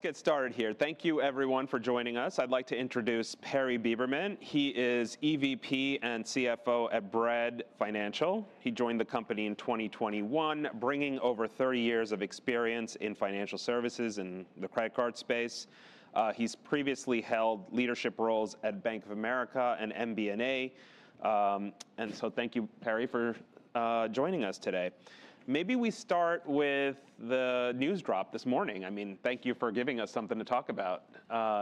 Let's get started here. Thank you, everyone, for joining us. I'd like to introduce Perry Beberman. He is EVP and CFO at Bread Financial. He joined the company in 2021, bringing over 30 years of experience in financial services in the credit card space. He's previously held leadership roles at Bank of America and MBNA. And so thank you, Perry, for joining us today. Maybe we start with the news drop this morning. I mean, thank you for giving us something to talk about.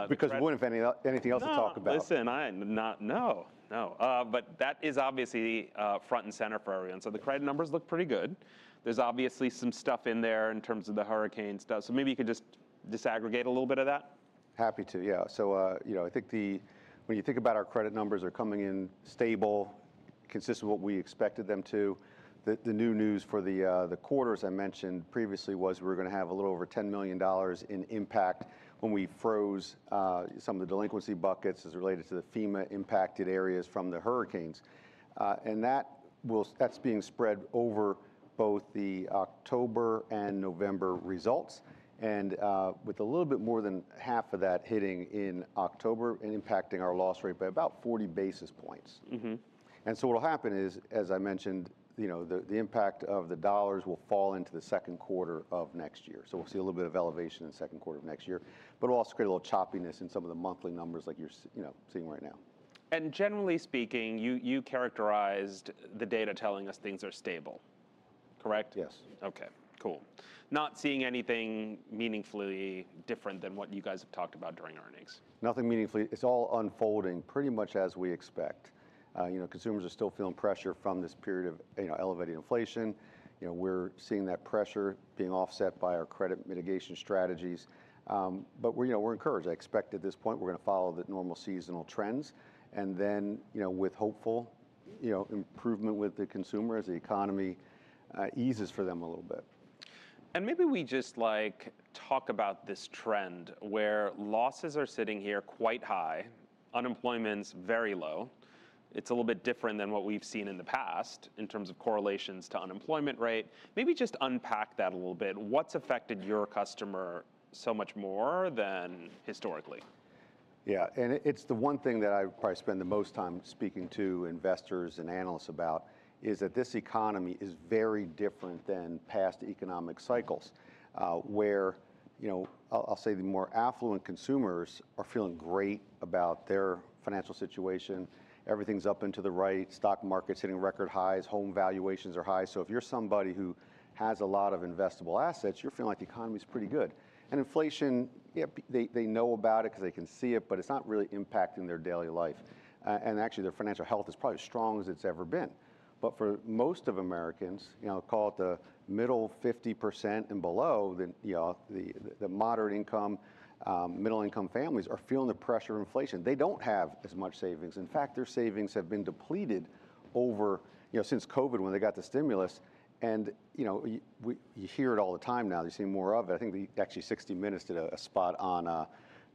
Because we wouldn't have anything else to talk about. Listen, I'm not, no, no. But that is obviously front and center for everyone. So the credit numbers look pretty good. There's obviously some stuff in there in terms of the hurricane stuff. So maybe you could just disaggregate a little bit of that. Happy to, yeah. So I think when you think about our credit numbers are coming in stable, consistent with what we expected them to. The new news for the quarter as I mentioned previously was we were going to have a little over $10 million in impact when we froze some of the delinquency buckets as related to the FEMA impacted areas from the hurricanes. And that's being spread over both the October and November results. And with a little bit more than half of that hitting in October and impacting our loss rate by about 40 basis points. And so what'll happen is, as I mentioned, the impact of the dollars will fall into the second quarter of next year. So we'll see a little bit of elevation in the second quarter of next year. But we'll also get a little choppiness in some of the monthly numbers like you're seeing right now. Generally speaking, you characterized the data telling us things are stable, correct? Yes. Okay, cool. Not seeing anything meaningfully different than what you guys have talked about during earnings. Nothing meaningful. It's all unfolding pretty much as we expect. Consumers are still feeling pressure from this period of elevated inflation. We're seeing that pressure being offset by our credit mitigation strategies, but we're encouraged. I expect at this point we're going to follow the normal seasonal trends, and then with hopeful improvement with the consumer as the economy eases for them a little bit. Maybe we just talk about this trend where losses are sitting here quite high, unemployment's very low. It's a little bit different than what we've seen in the past in terms of correlations to unemployment rate. Maybe just unpack that a little bit. What's affected your customer so much more than historically? Yeah, and it's the one thing that I probably spend the most time speaking to investors and analysts about is that this economy is very different than past economic cycles where I'll say the more affluent consumers are feeling great about their financial situation. Everything's up and to the right. Stock market's hitting record highs. Home valuations are high. So if you're somebody who has a lot of investable assets, you're feeling like the economy's pretty good. And inflation, they know about it because they can see it, but it's not really impacting their daily life. And actually their financial health is probably as strong as it's ever been. But for most of Americans, call it the middle 50% and below, the moderate income, middle income families are feeling the pressure of inflation. They don't have as much savings. In fact, their savings have been depleted since COVID when they got the stimulus, and you hear it all the time now. You're seeing more of it. I think, actually, 60 Minutes did a spot on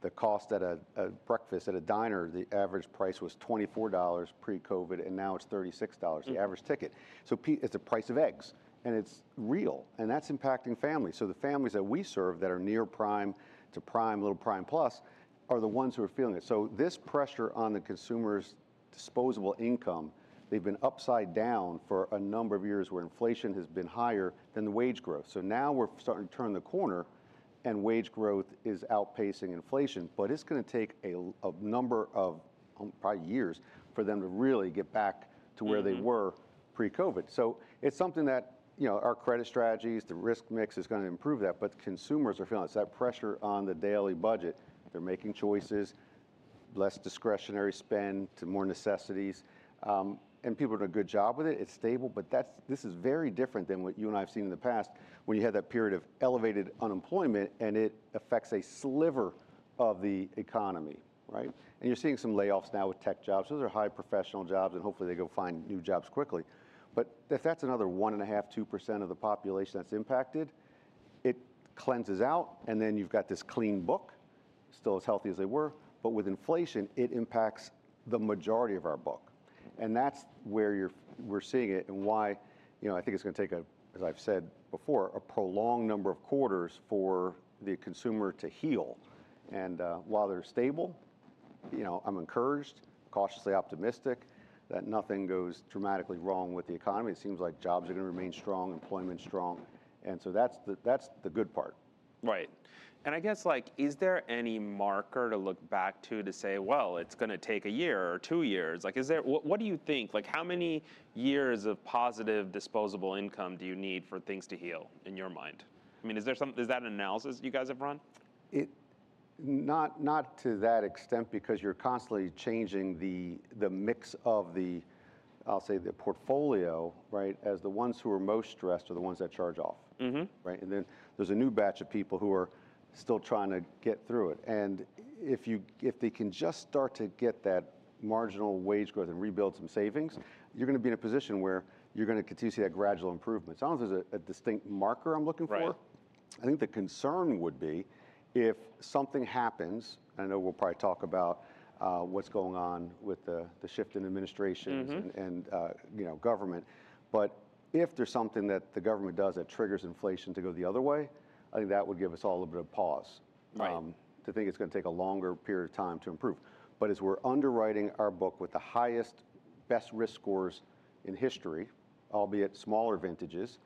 the cost at a breakfast at a diner. The average price was $24 pre-COVID, and now it's $36, the average ticket. So it's the price of eggs, and it's real, and that's impacting families. The families that we serve that are near prime to prime, little prime plus are the ones who are feeling it. This pressure on the consumer's disposable income has them upside down for a number of years where inflation has been higher than the wage growth. Now we're starting to turn the corner and wage growth is outpacing inflation. But it's going to take a number of probably years for them to really get back to where they were pre-COVID. So it's something that our credit strategies, the risk mix is going to improve that. But consumers are feeling it. It's that pressure on the daily budget. They're making choices, less discretionary spend to more necessities. And people are doing a good job with it. It's stable. But this is very different than what you and I have seen in the past when you had that period of elevated unemployment and it affects a sliver of the economy. And you're seeing some layoffs now with tech jobs. Those are high professional jobs and hopefully they go find new jobs quickly. But if that's another 1.5%-2% of the population that's impacted, it cleanses out and then you've got this clean book, still as healthy as they were. But with inflation, it impacts the majority of our book. And that's where we're seeing it and why I think it's going to take, as I've said before, a prolonged number of quarters for the consumer to heal. And while they're stable, I'm encouraged, cautiously optimistic that nothing goes dramatically wrong with the economy. It seems like jobs are going to remain strong, employment's strong. And so that's the good part. Right. And I guess, is there any marker to look back to say, well, it's going to take a year or two years? What do you think? How many years of positive disposable income do you need for things to heal in your mind? I mean, is that an analysis you guys have run? Not to that extent because you're constantly changing the mix of the, I'll say the portfolio as the ones who are most stressed are the ones that charge off. And then there's a new batch of people who are still trying to get through it. And if they can just start to get that marginal wage growth and rebuild some savings, you're going to be in a position where you're going to continue to see that gradual improvement. It's almost a distinct marker I'm looking for. I think the concern would be if something happens, and I know we'll probably talk about what's going on with the shift in administration and government. But if there's something that the government does that triggers inflation to go the other way, I think that would give us all a little bit of pause to think it's going to take a longer period of time to improve. But as we're underwriting our book with the highest best risk scores in history, albeit smaller vintages,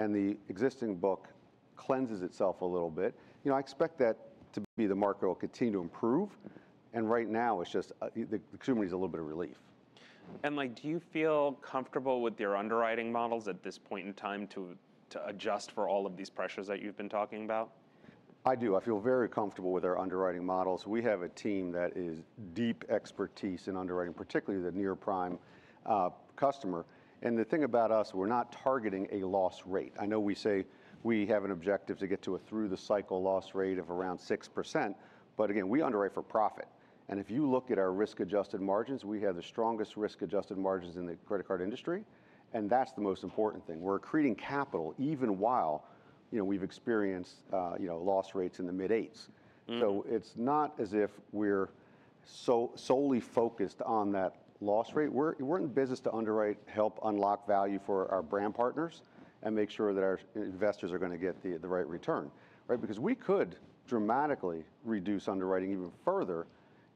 and the existing book cleanses itself a little bit, I expect that to be the marker it'll continue to improve. And right now it's just the consumer needs a little bit of relief. Do you feel comfortable with your underwriting models at this point in time to adjust for all of these pressures that you've been talking about? I do. I feel very comfortable with our underwriting models. We have a team that is deep expertise in underwriting, particularly the near prime customer. And the thing about us, we're not targeting a loss rate. I know we say we have an objective to get to a through the cycle loss rate of around 6%. But again, we underwrite for profit. And if you look at our risk-adjusted margins, we have the strongest risk-adjusted margins in the credit card industry. And that's the most important thing. We're accreting capital even while we've experienced loss rates in the mid-8s%. So it's not as if we're solely focused on that loss rate. We're in business to underwrite, help unlock value for our brand partners and make sure that our investors are going to get the right return. Because we could dramatically reduce underwriting even further,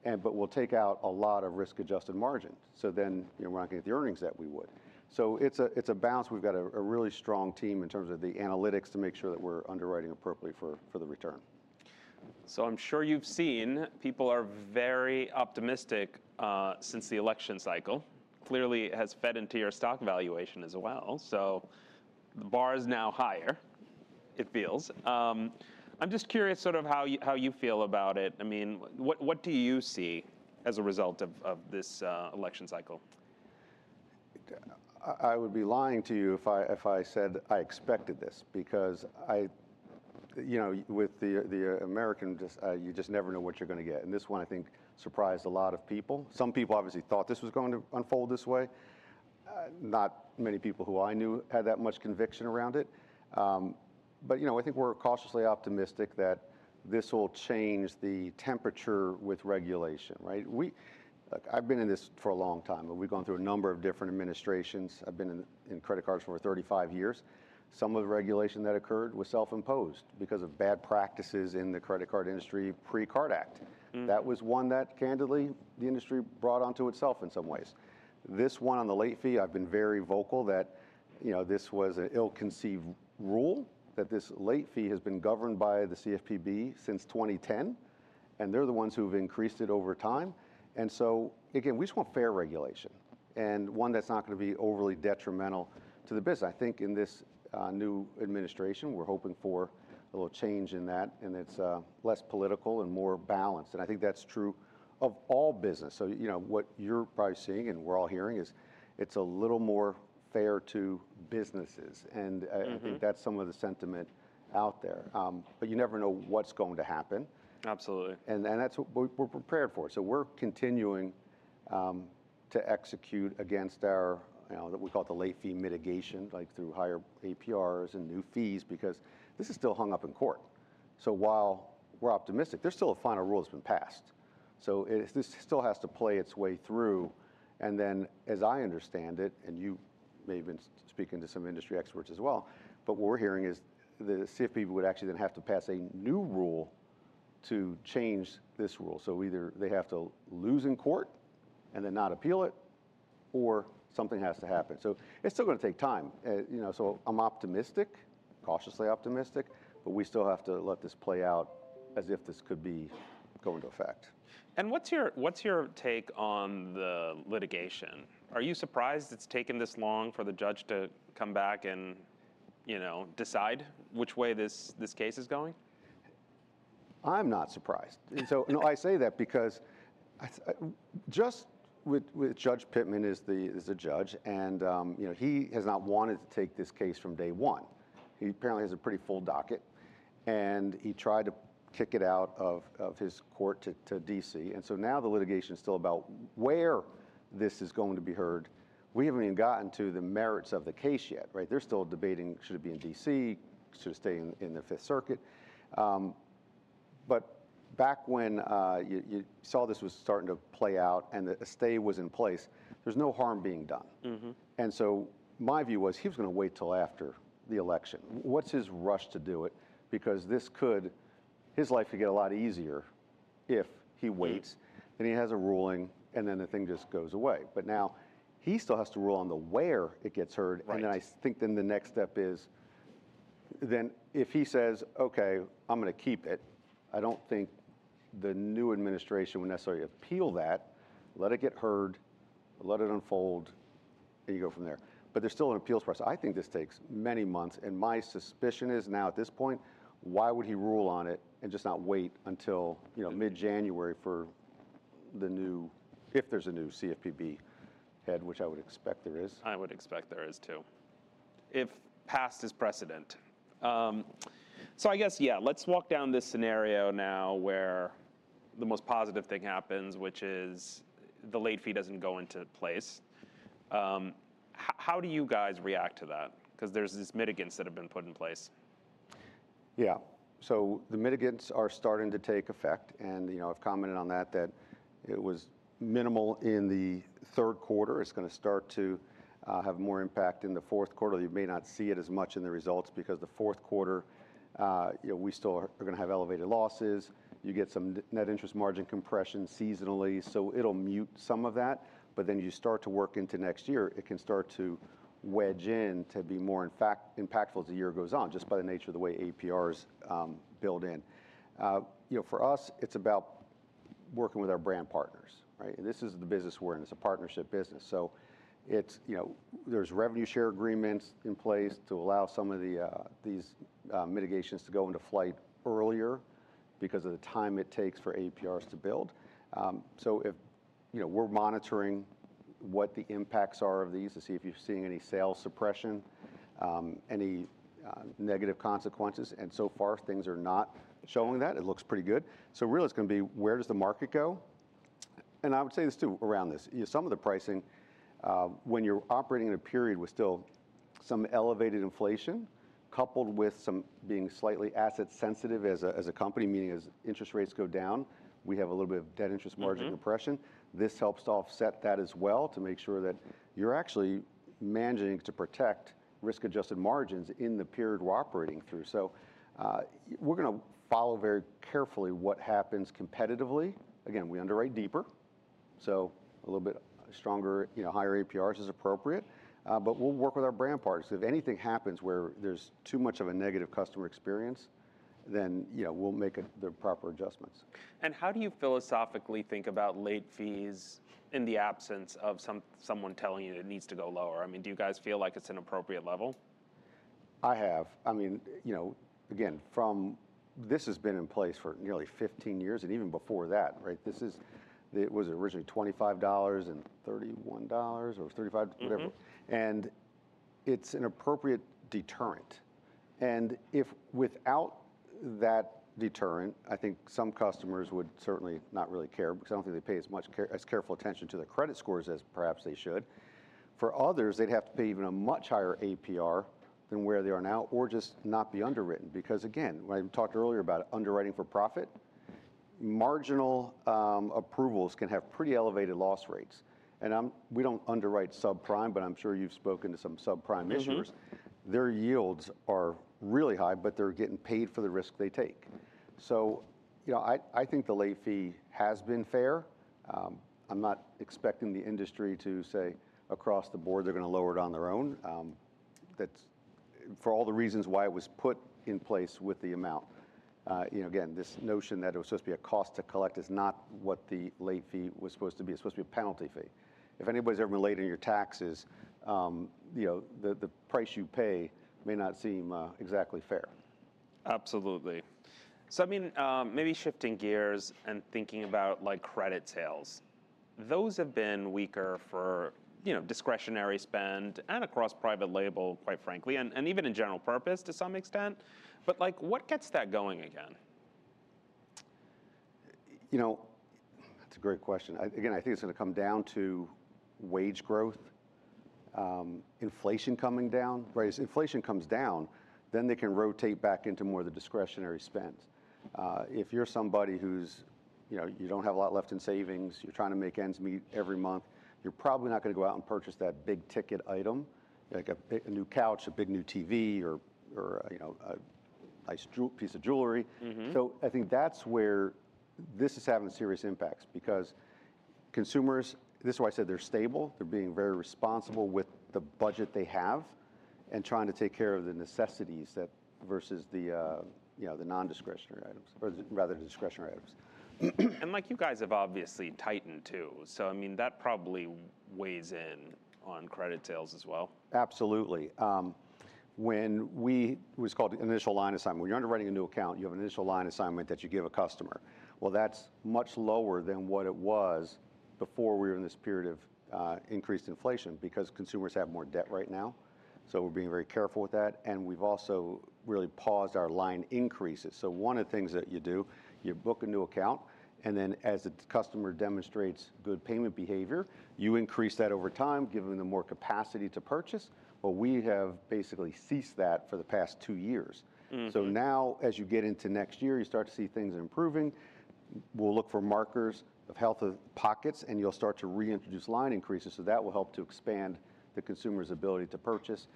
but we'll take out a lot of risk-adjusted margin. So then we're not going to get the earnings that we would. So it's a balance. We've got a really strong team in terms of the analytics to make sure that we're underwriting appropriately for the return. So I'm sure you've seen people are very optimistic since the election cycle. Clearly it has fed into your stock valuation as well. So the bar is now higher, it feels. I'm just curious sort of how you feel about it. I mean, what do you see as a result of this election cycle? I would be lying to you if I said I expected this because with the American, you just never know what you're going to get. And this one I think surprised a lot of people. Some people obviously thought this was going to unfold this way. Not many people who I knew had that much conviction around it. But I think we're cautiously optimistic that this will change the temperature with regulation. I've been in this for a long time. We've gone through a number of different administrations. I've been in credit cards for over 35 years. Some of the regulation that occurred was self-imposed because of bad practices in the credit card industry pre-CARD Act. That was one that candidly the industry brought onto itself in some ways. This one on the late fee, I've been very vocal that this was an ill-conceived rule, that this late fee has been governed by the CFPB since 2010, and they're the ones who have increased it over time, and so again, we just want fair regulation and one that's not going to be overly detrimental to the business. I think in this new administration, we're hoping for a little change in that and it's less political and more balanced, and I think that's true of all business, so what you're probably seeing and we're all hearing is it's a little more fair to businesses, and I think that's some of the sentiment out there, but you never know what's going to happen. Absolutely. That's what we're prepared for. We're continuing to execute against our what we call the late fee mitigation through higher APRs and new fees because this is still hung up in court. While we're optimistic, there's still a final rule that's been passed. This still has to play its way through. As I understand it, and you may have been speaking to some industry experts as well, but what we're hearing is the CFPB would actually then have to pass a new rule to change this rule. Either they have to lose in court and then not appeal it or something has to happen. It's still going to take time. I'm optimistic, cautiously optimistic, but we still have to let this play out as if this could be going into effect. What's your take on the litigation? Are you surprised it's taken this long for the judge to come back and decide which way this case is going? I'm not surprised, and so I say that because just with Judge Pittman is a judge and he has not wanted to take this case from day one. He apparently has a pretty full docket and he tried to kick it out of his court to D.C, and so now the litigation is still about where this is going to be heard. We haven't even gotten to the merits of the case yet, they're still debating, should it be in D.C, should it stay in the Fifth Circuit, but back when you saw this was starting to play out and the stay was in place, there's no harm being done, and so my view was he was going to wait till after the election. What's his rush to do it? Because his life could get a lot easier if he waits and he has a ruling and then the thing just goes away. But now he still has to rule on where it gets heard. And then I think then the next step is then if he says, okay, I'm going to keep it, I don't think the new administration would necessarily appeal that. Let it get heard, let it unfold and you go from there. But there's still an appeals process. I think this takes many months. And my suspicion is now at this point, why would he rule on it and just not wait until mid-January for the new, if there's a new CFPB head, which I would expect there is? I would expect there is too, if past is precedent, so I guess, yeah, let's walk down this scenario now where the most positive thing happens, which is the late fee doesn't go into place. How do you guys react to that? Because there's these mitigants that have been put in place. Yeah. So the mitigants are starting to take effect. And I've commented on that, that it was minimal in the third quarter. It's going to start to have more impact in the fourth quarter. You may not see it as much in the results because the fourth quarter, we still are going to have elevated losses. You get some net interest margin compression seasonally. So it'll mute some of that. But then you start to work into next year, it can start to wedge in to be more impactful as the year goes on just by the nature of the way APRs build in. For us, it's about working with our brand partners. And this is the business we're in. It's a partnership business. So there's revenue share agreements in place to allow some of these mitigations to go into effect earlier because of the time it takes for APRs to build. So we're monitoring what the impacts are of these to see if you're seeing any sales suppression, any negative consequences. And so far things are not showing that. It looks pretty good. So really it's going to be where does the market go? And I would say this too around this. Some of the pricing when you're operating in a period with still some elevated inflation coupled with some being slightly asset sensitive as a company, meaning as interest rates go down, we have a little bit of net interest margin compression. This helps to offset that as well to make sure that you're actually managing to protect risk-adjusted margins in the period we're operating through. So we're going to follow very carefully what happens competitively. Again, we underwrite deeper. So a little bit stronger, higher APRs is appropriate. But we'll work with our brand partners. If anything happens where there's too much of a negative customer experience, then we'll make the proper adjustments. How do you philosophically think about late fees in the absence of someone telling you it needs to go lower? I mean, do you guys feel like it's an appropriate level? I have. I mean, again, this has been in place for nearly 15 years and even before that. This was originally $25 and $31 or $35, whatever. And it's an appropriate deterrent. And without that deterrent, I think some customers would certainly not really care because I don't think they pay as much as careful attention to their credit scores as perhaps they should. For others, they'd have to pay even a much higher APR than where they are now or just not be underwritten. Because again, when I talked earlier about underwriting for profit, marginal approvals can have pretty elevated loss rates. And we don't underwrite subprime, but I'm sure you've spoken to some subprime issuers. Their yields are really high, but they're getting paid for the risk they take. So I think the late fee has been fair. I'm not expecting the industry to say across the board they're going to lower it on their own. That's for all the reasons why it was put in place with the amount. Again, this notion that it was supposed to be a cost to collect is not what the late fee was supposed to be. It's supposed to be a penalty fee. If anybody's ever been late in your taxes, the price you pay may not seem exactly fair. Absolutely, so I mean, maybe shifting gears and thinking about credit sales. Those have been weaker for discretionary spend and across private label, quite frankly, and even in general purpose to some extent, but what gets that going again? That's a great question. Again, I think it's going to come down to wage growth, inflation coming down. Inflation comes down, then they can rotate back into more of the discretionary spend. If you're somebody who, you don't have a lot left in savings, you're trying to make ends meet every month, you're probably not going to go out and purchase that big ticket item, like a new couch, a big new TV, or a nice piece of jewelry. So I think that's where this is having serious impacts because consumers, this is why I said they're stable, they're being very responsible with the budget they have and trying to take care of the necessities versus the non-discretionary items rather than discretionary items. And like you guys have obviously tightened too. So I mean, that probably weighs in on credit sales as well. Absolutely. When we do what's called initial line assignment, when you're underwriting a new account, you have an initial line assignment that you give a customer. Well, that's much lower than what it was before we were in this period of increased inflation because consumers have more debt right now. So we're being very careful with that. And we've also really paused our line increases. So one of the things that you do, you book a new account and then as the customer demonstrates good payment behavior, you increase that over time giving them more capacity to purchase. Well, we have basically ceased that for the past two years. So now as you get into next year, you start to see things improving. We'll look for markers of health of pockets and you'll start to reintroduce line increases. So that will help to expand the consumer's ability to purchase.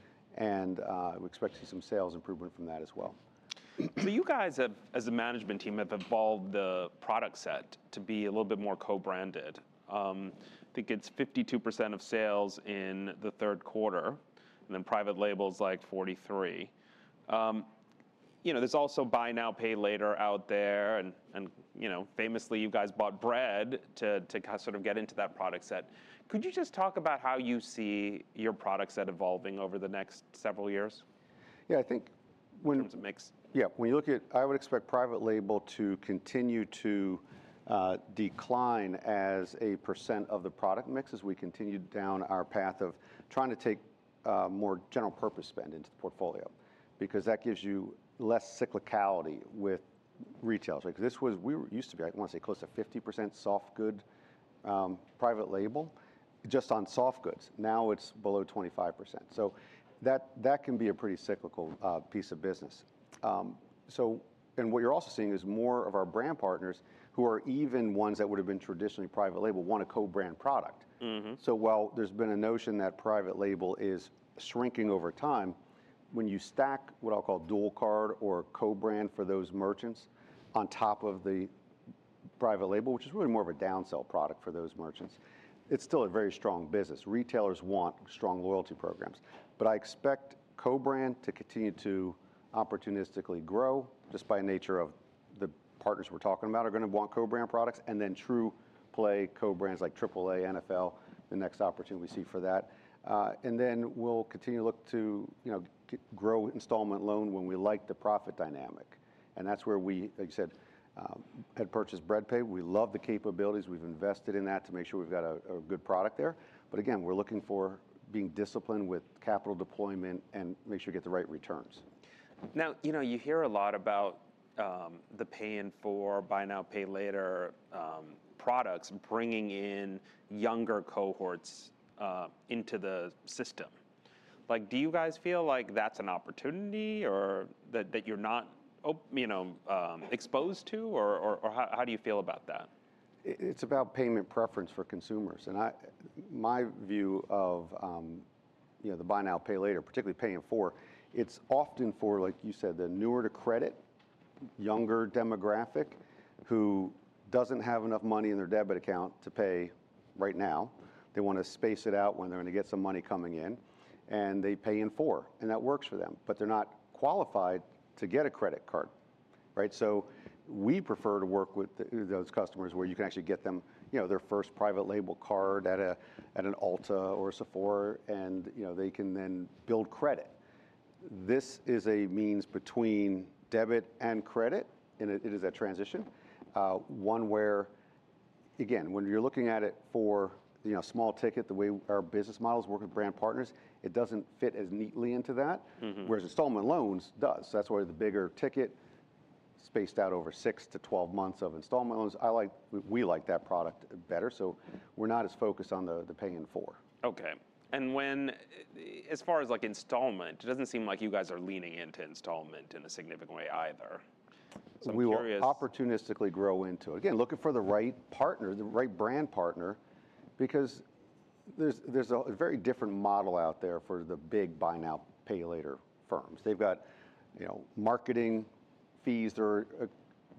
We expect to see some sales improvement from that as well. So you guys as a management team have evolved the product set to be a little bit more co-branded. I think it's 52% of sales in the third quarter and then private labels like 43%. There's also buy now, pay later out there. And famously you guys bought Bread to sort of get into that product set. Could you just talk about how you see your product set evolving over the next several years? Yeah, I think when. In terms of mix. Yeah, when you look at, I would expect private label to continue to decline as a percent of the product mix as we continue down our path of trying to take more general purpose spend into the portfolio because that gives you less cyclicality with retails. We used to be, I want to say close to 50% soft good private label just on soft goods. Now it's below 25%. So that can be a pretty cyclical piece of business. And what you're also seeing is more of our brand partners who are even ones that would have been traditionally private label want a co-brand product. So while there's been a notion that private label is shrinking over time, when you stack what I'll call dual card or co-brand for those merchants on top of the private label, which is really more of a downsell product for those merchants, it's still a very strong business. Retailers want strong loyalty programs, but I expect co-brand to continue to opportunistically grow just by nature of the partners we're talking about, are going to want co-brand products and then true play co-brands like AAA, NFL, the next opportunity we see for that, and then we'll continue to look to grow installment loan when we like the profit dynamic, and that's where we, like you said, had purchased Bread Pay. We love the capabilities. We've invested in that to make sure we've got a good product there. But again, we're looking for being disciplined with capital deployment and make sure you get the right returns. Now you hear a lot about the Pay in 4 buy now, pay later products bringing in younger cohorts into the system. Do you guys feel like that's an opportunity or that you're not exposed to or how do you feel about that? It's about payment preference for consumers, and my view of the buy now, pay later, particularly Pay in 4. It's often for, like you said, the newer to credit, younger demographic who doesn't have enough money in their debit account to pay right now. They want to space it out when they're going to get some money coming in and they pay in four and that works for them, but they're not qualified to get a credit card. So we prefer to work with those customers where you can actually get them their first private label card at an Ulta or a Sephora and they can then build credit. This is a means between debit and credit and it is a transition. One where, again, when you're looking at it for a small ticket, the way our business model is working with brand partners, it doesn't fit as neatly into that. Whereas installment loans do. That's why the bigger ticket spaced out over six to 12 months of installment loans, we like that product better. So we're not as focused on the Pay-in-4. Okay, and as far as installment, it doesn't seem like you guys are leaning into installment in a significant way either. We will opportunistically grow into it. Again, looking for the right partner, the right brand partner because there's a very different model out there for the big buy now, pay later firms. They've got marketing fees they're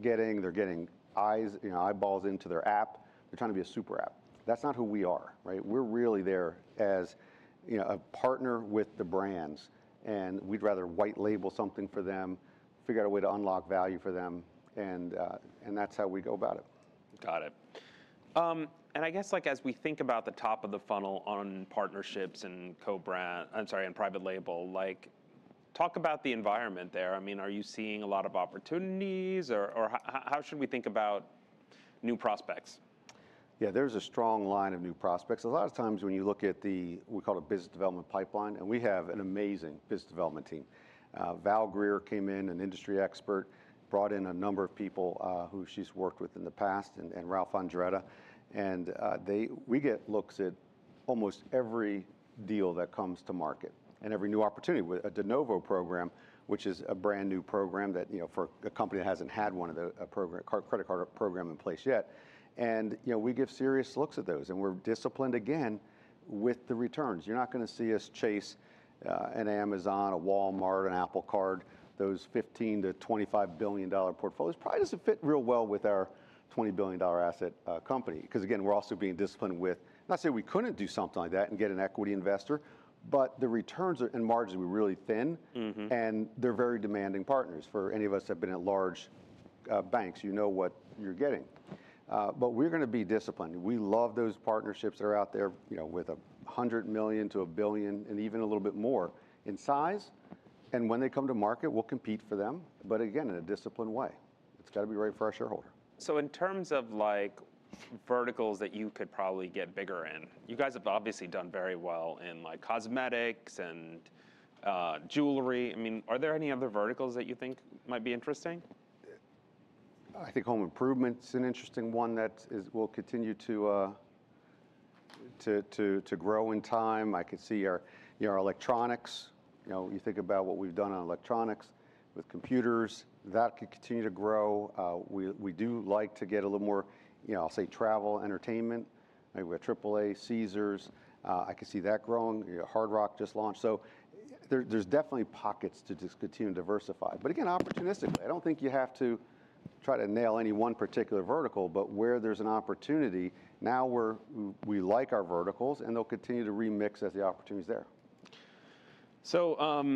getting. They're getting eyeballs into their app. They're trying to be a super app. That's not who we are. We're really there as a partner with the brands and we'd rather white label something for them, figure out a way to unlock value for them. And that's how we go about it. Got it. And I guess as we think about the top of the funnel on partnerships and co-brand, I'm sorry, and private label, talk about the environment there. I mean, are you seeing a lot of opportunities or how should we think about new prospects? Yeah, there's a strong line of new prospects. A lot of times when you look at the, we call it a business development pipeline and we have an amazing business development team. Val Greer came in, an industry expert, brought in a number of people who she's worked with in the past and Ralph Andretta. We get looks at almost every deal that comes to market and every new opportunity. A DeNovo program, which is a brand new program that for a company that hasn't had one of the credit card program in place yet. We give serious looks at those and we're disciplined again with the returns. You're not going to see us chase an Amazon, a Walmart, an Apple Card, those $15-$25 billion portfolios. Probably doesn't fit real well with our $20 billion asset company. Because again, we're also being disciplined with, not to say we couldn't do something like that and get an equity investor, but the returns and margins are really thin and they're very demanding partners for any of us that have been at large banks. You know what you're getting. But we're going to be disciplined. We love those partnerships that are out there with $100 million-$1 billion and even a little bit more in size. And when they come to market, we'll compete for them. But again, in a disciplined way. It's got to be right for our shareholder. So in terms of verticals that you could probably get bigger in, you guys have obviously done very well in cosmetics and jewelry. I mean, are there any other verticals that you think might be interesting? I think home improvement is an interesting one that will continue to grow in time. I can see our electronics. You think about what we've done on electronics with computers. That could continue to grow. We do like to get a little more, I'll say travel, entertainment. We have AAA, Caesars. I can see that growing. Hard Rock just launched. So there's definitely pockets to just continue to diversify. But again, opportunistically, I don't think you have to try to nail any one particular vertical, but where there's an opportunity, now we like our verticals and they'll continue to remix as the opportunity is there. So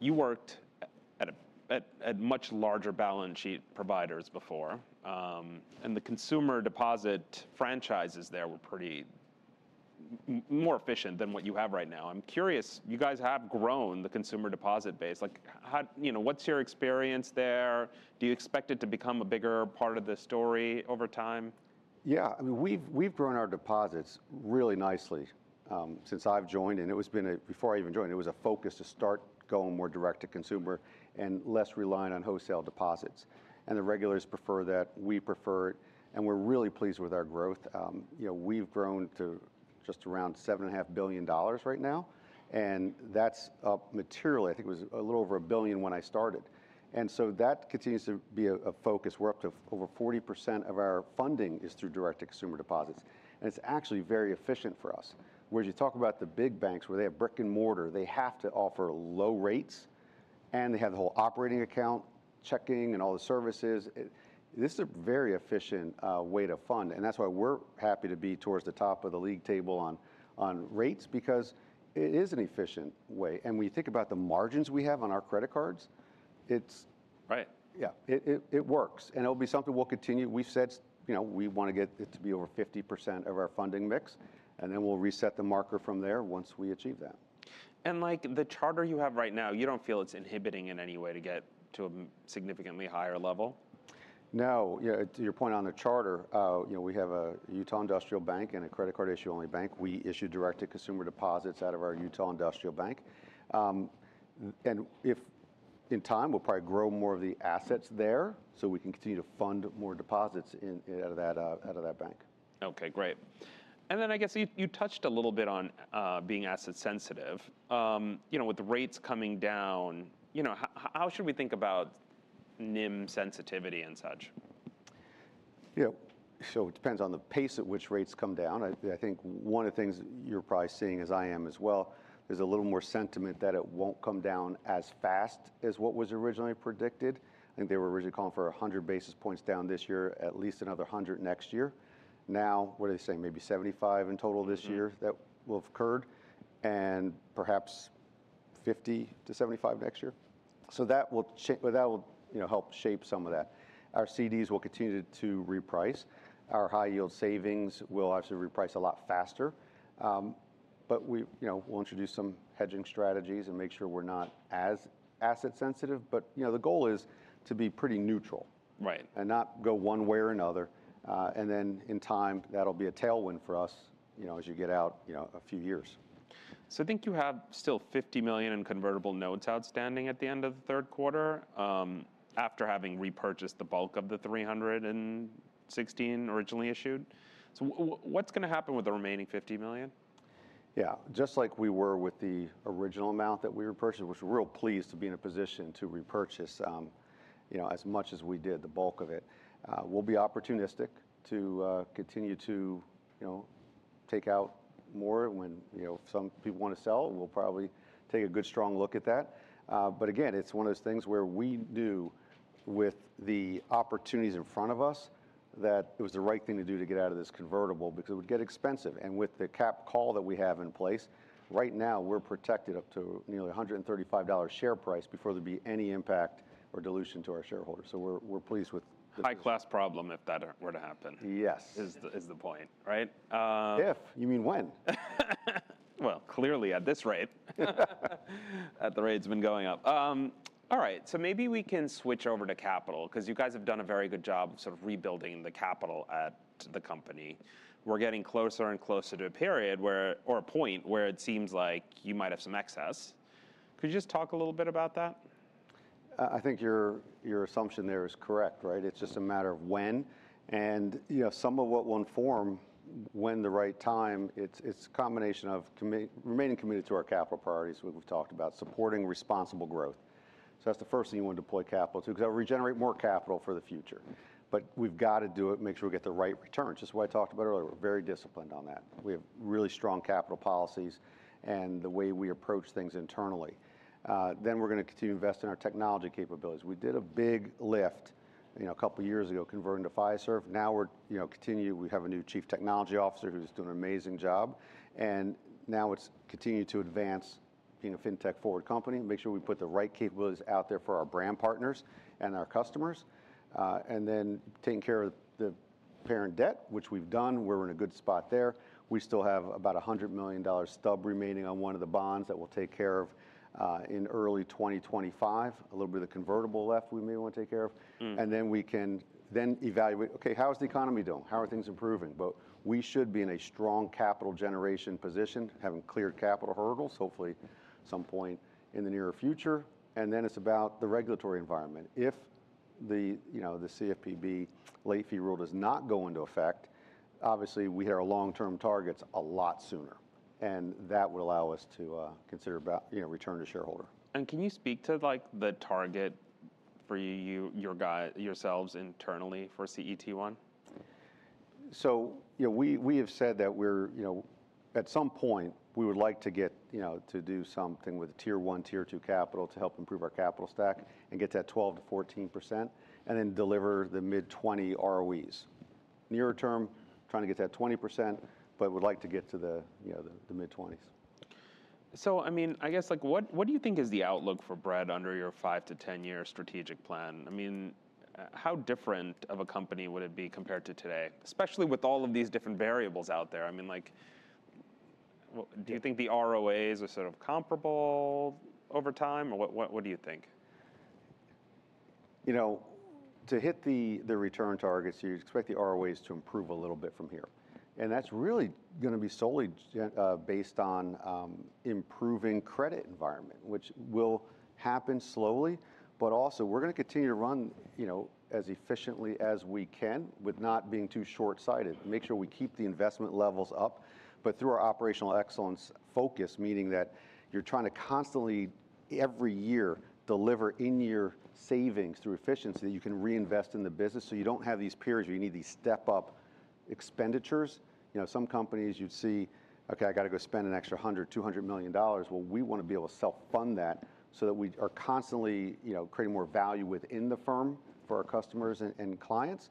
you worked at much larger balance sheet providers before. And the consumer deposit franchises there were pretty more efficient than what you have right now. I'm curious, you guys have grown the consumer deposit base. What's your experience there? Do you expect it to become a bigger part of the story over time? Yeah. I mean, we've grown our deposits really nicely since I've joined. And it had been a focus, before I even joined, to start going more direct to consumer and less relying on wholesale deposits. And the regulators prefer that. We prefer it. And we're really pleased with our growth. We've grown to just around $7.5 billion right now. And that's up materially. I think it was a little over a billion when I started. And so that continues to be a focus. We're up to over 40% of our funding is through direct to consumer deposits. And it's actually very efficient for us. Whereas you talk about the big banks where they have brick and mortar, they have to offer low rates and they have the whole operating account checking and all the services. This is a very efficient way to fund. And that's why we're happy to be towards the top of the league table on rates because it is an efficient way. And when you think about the margins we have on our credit cards, it's. Right. Yeah, it works, and it'll be something we'll continue. We've said we want to get it to be over 50% of our funding mix, and then we'll reset the marker from there once we achieve that. The charter you have right now, you don't feel it's inhibiting in any way to get to a significantly higher level? No. To your point on the charter, we have a Utah Industrial Bank and a credit card issue-only bank. We issue direct to consumer deposits out of our Utah Industrial Bank, and if in time, we'll probably grow more of the assets there so we can continue to fund more deposits out of that bank. Okay, great. And then I guess you touched a little bit on being asset sensitive. With the rates coming down, how should we think about NIM sensitivity and such? Yeah. So it depends on the pace at which rates come down. I think one of the things you're probably seeing as I am as well. There's a little more sentiment that it won't come down as fast as what was originally predicted. I think they were originally calling for 100 basis points down this year, at least another 100 next year. Now, what are they saying? Maybe 75 in total this year that will have occurred and perhaps 50 to 75 next year. So that will help shape some of that. Our CDs will continue to reprice. Our high yield savings will obviously reprice a lot faster. But we'll introduce some hedging strategies and make sure we're not as asset sensitive. But the goal is to be pretty neutral and not go one way or another. Then in time, that'll be a tailwind for us as you get out a few years. So I think you have still $50 million in convertible notes outstanding at the end of the third quarter after having repurchased the bulk of the $316 million originally issued. So what's going to happen with the remaining $50 million? Yeah. Just like we were with the original amount that we repurchased, which we're real pleased to be in a position to repurchase as much as we did, the bulk of it. We'll be opportunistic to continue to take out more when some people want to sell. We'll probably take a good strong look at that. But again, it's one of those things where we knew with the opportunities in front of us that it was the right thing to do to get out of this convertible because it would get expensive. And with the cap call that we have in place, right now we're protected up to nearly $135 share price before there'd be any impact or dilution to our shareholders. So we're pleased with the. High-class problem if that were to happen. Yes. Is the point, right? If you mean when? Clearly at this rate, at the rate it's been going up. All right. So maybe we can switch over to capital because you guys have done a very good job of sort of rebuilding the capital at the company. We're getting closer and closer to a period or a point where it seems like you might have some excess. Could you just talk a little bit about that? I think your assumption there is correct, right? It's just a matter of when. And some of what will inform when the right time is, it's a combination of remaining committed to our capital priorities we've talked about, supporting responsible growth. So that's the first thing you want to deploy capital to because that will regenerate more capital for the future. But we've got to do it, make sure we get the right returns. Just what I talked about earlier. We're very disciplined on that. We have really strong capital policies and the way we approach things internally. Then we're going to continue to invest in our technology capabilities. We did a big lift a couple of years ago converting to Fiserv. Now we're continuing. We have a new Chief Technology Officer who's doing an amazing job. And now it's continuing to advance being a fintech forward company, make sure we put the right capabilities out there for our brand partners and our customers. And then taking care of the parent debt, which we've done. We're in a good spot there. We still have about $100 million stub remaining on one of the bonds that we'll take care of in early 2025. A little bit of the convertible left we may want to take care of. And then we can then evaluate, okay, how is the economy doing? How are things improving? But we should be in a strong capital generation position, having cleared capital hurdles, hopefully at some point in the near future. And then it's about the regulatory environment. If the CFPB late fee rule does not go into effect, obviously we have our long-term targets a lot sooner. That will allow us to consider return to shareholder. Can you speak to the target for yourselves internally for CET1? We have said that we're at some point, we would like to get to do something with Tier 1, Tier 2 capital to help improve our capital stack and get that 12%-14% and then deliver the mid-20 ROEs. Near term, trying to get that 20%, but we'd like to get to the mid-20s. So I mean, I guess what do you think is the outlook for Bread under your 5- to 10-year strategic plan? I mean, how different of a company would it be compared to today? Especially with all of these different variables out there. I mean, do you think the ROAs are sort of comparable over time or what do you think? To hit the return targets, you'd expect the ROAs to improve a little bit from here, and that's really going to be solely based on improving credit environment, which will happen slowly, but also we're going to continue to run as efficiently as we can with not being too shortsighted. Make sure we keep the investment levels up, but through our operational excellence focus, meaning that you're trying to constantly every year deliver in your savings through efficiency that you can reinvest in the business so you don't have these periods where you need these step up expenditures. Some companies you'd see, okay, I got to go spend an extra $100 million, $200 million, well, we want to be able to self-fund that so that we are constantly creating more value within the firm for our customers and clients,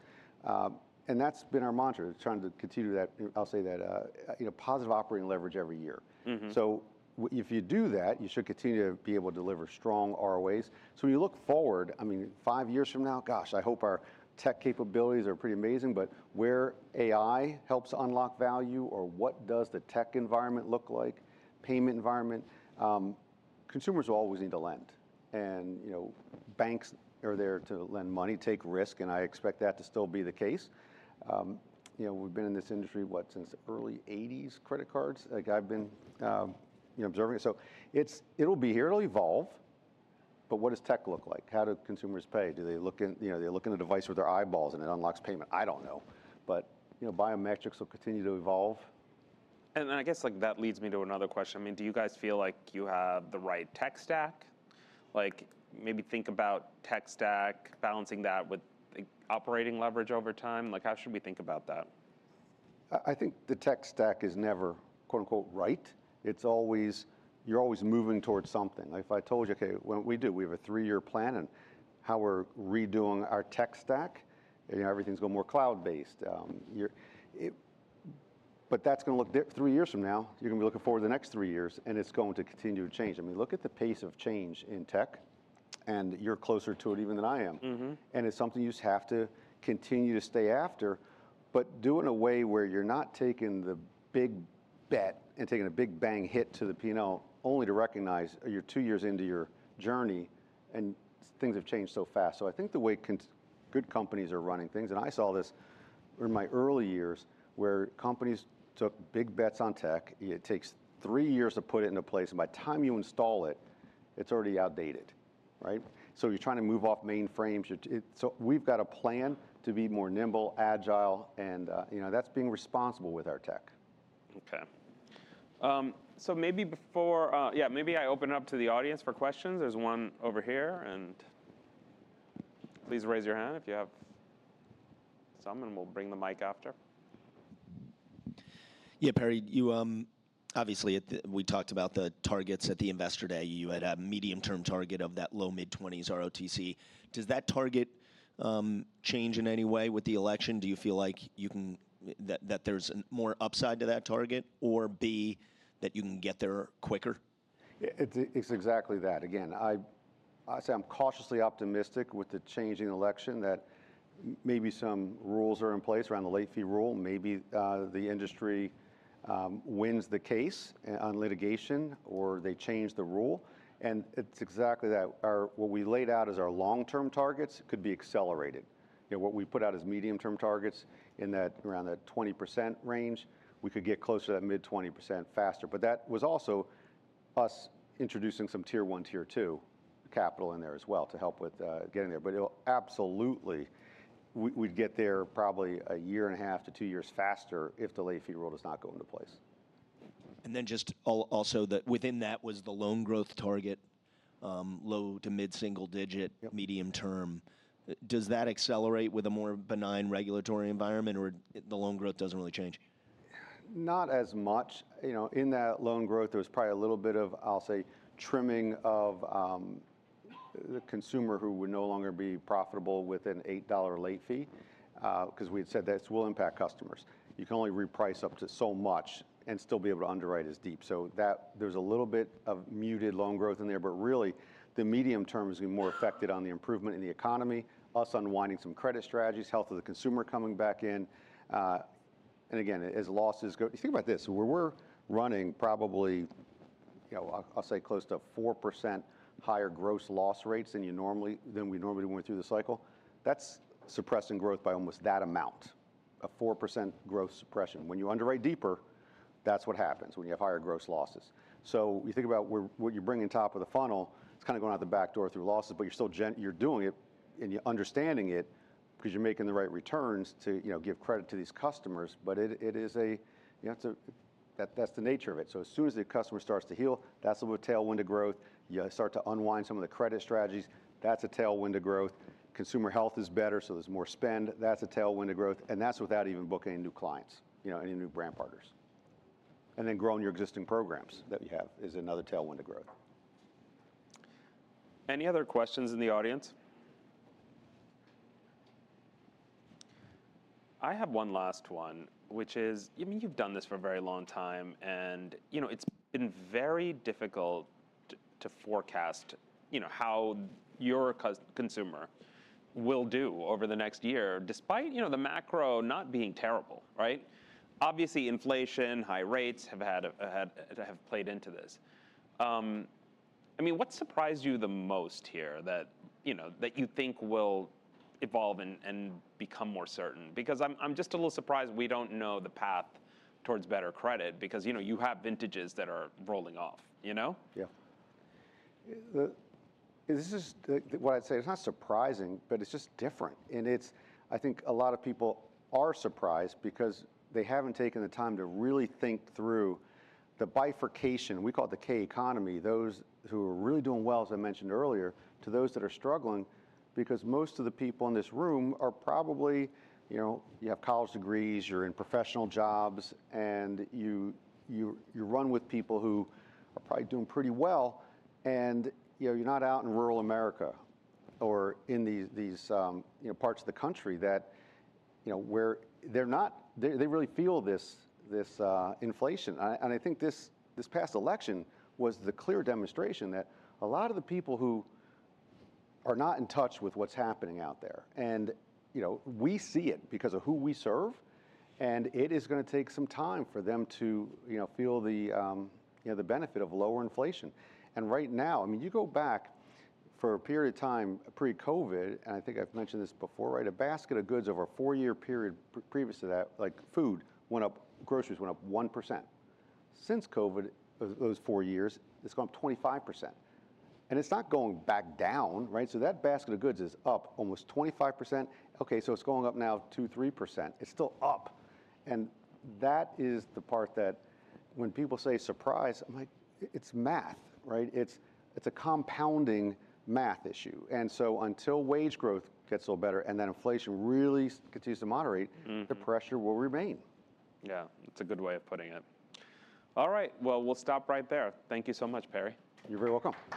and that's been our mantra. Trying to continue that, I'll say that positive operating leverage every year. So if you do that, you should continue to be able to deliver strong ROAs. So when you look forward, I mean, five years from now, gosh, I hope our tech capabilities are pretty amazing, but where AI helps unlock value or what does the tech environment look like, payment environment, consumers will always need to lend. And banks are there to lend money, take risk, and I expect that to still be the case. We've been in this industry, what, since the early 1980s, credit cards. I've been observing it. So it'll be here, it'll evolve. But what does tech look like? How do consumers pay? Do they look in a device with their eyeballs and it unlocks payment? I don't know. But biometrics will continue to evolve. I guess that leads me to another question. I mean, do you guys feel like you have the right tech stack? Maybe think about tech stack, balancing that with operating leverage over time. How should we think about that? I think the tech stack is never "right." You're always moving towards something. If I told you, okay, we do, we have a three-year plan and how we're redoing our tech stack, everything's going more cloud-based, but that's going to look different three years from now. You're going to be looking forward to the next three years and it's going to continue to change. I mean, look at the pace of change in tech and you're closer to it even than I am, and it's something you just have to continue to stay after, but do it in a way where you're not taking the big bet and taking a big bang hit to the P&L only to recognize you're two years into your journey and things have changed so fast. I think the way good companies are running things, and I saw this in my early years where companies took big bets on tech. It takes three years to put it into place. By the time you install it, it's already outdated, right? You're trying to move off mainframes. We've got a plan to be more nimble, agile, and that's being responsible with our tech. Okay. So maybe before, yeah, maybe I open it up to the audience for questions. There's one over here, and please raise your hand if you have something and we'll bring the mic after. Yeah, Perry, obviously we talked about the targets at the investor day. You had a medium-term target of that low mid 20s ROTCE. Does that target change in any way with the election? Do you feel like that there's more upside to that target or B, that you can get there quicker? It's exactly that. Again, I'm cautiously optimistic with the changing election that maybe some rules are in place around the late fee rule. Maybe the industry wins the case on litigation or they change the rule. And it's exactly that. What we laid out as our long-term targets could be accelerated. What we put out as medium-term targets in that around that 20% range, we could get closer to that mid 20% faster. But that was also us introducing some Tier 1, Tier 2 capital in there as well to help with getting there. But absolutely we'd get there probably a year and a half to two years faster if the late fee rule does not go into place. And then just also that within that was the loan growth target, low to mid single digit, medium term. Does that accelerate with a more benign regulatory environment or the loan growth doesn't really change? Not as much. In that loan growth, there was probably a little bit of, I'll say, trimming of the consumer who would no longer be profitable with an $8 late fee because we had said that it will impact customers. You can only reprice up to so much and still be able to underwrite as deep. So there's a little bit of muted loan growth in there, but really the medium term is going to be more affected on the improvement in the economy, us unwinding some credit strategies, health of the consumer coming back in. And again, as losses go, you think about this. We're running probably, I'll say close to 4% higher gross loss rates than we normally went through the cycle. That's suppressing growth by almost that amount, a 4% growth suppression. When you underwrite deeper, that's what happens when you have higher gross losses. So you think about what you bring in top of the funnel. It's kind of going out the back door through losses, but you're doing it and you're understanding it because you're making the right returns to give credit to these customers. But it is, that's the nature of it. So as soon as the customer starts to heal, that's a little tailwind to growth. You start to unwind some of the credit strategies. That's a tailwind to growth. Consumer health is better, so there's more spend. That's a tailwind to growth. And that's without even booking any new clients, any new brand partners. And then growing your existing programs that you have is another tailwind to growth. Any other questions in the audience? I have one last one, which is, I mean, you've done this for a very long time and it's been very difficult to forecast how your consumer will do over the next year despite the macro not being terrible, right? Obviously, inflation, high rates have played into this. I mean, what surprised you the most here that you think will evolve and become more certain? Because I'm just a little surprised we don't know the path towards better credit because you have vintages that are rolling off, you know? Yeah. This is what I'd say. It's not surprising, but it's just different. And I think a lot of people are surprised because they haven't taken the time to really think through the bifurcation. We call it the K-economy, those who are really doing well, as I mentioned earlier, to those that are struggling because most of the people in this room are probably, you have college degrees, you're in professional jobs, and you run with people who are probably doing pretty well. And you're not out in rural America or in these parts of the country where they really feel this inflation. And I think this past election was the clear demonstration that a lot of the people who are not in touch with what's happening out there. And we see it because of who we serve. And it is going to take some time for them to feel the benefit of lower inflation. And right now, I mean, you go back for a period of time pre-COVID, and I think I've mentioned this before, right? A basket of goods over a four-year period previous to that, like food, groceries went up 1%. Since COVID, those four years, it's gone up 25%. And it's not going back down, right? So that basket of goods is up almost 25%. Okay, so it's going up now 2%, 3%. It's still up. And that is the part that when people say surprise, I'm like, it's math, right? It's a compounding math issue. And so until wage growth gets a little better and then inflation really continues to moderate, the pressure will remain. Yeah, that's a good way of putting it. All right, well, we'll stop right there. Thank you so much, Perry. You're very welcome.